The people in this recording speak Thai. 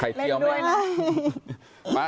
ไข่เจียวมา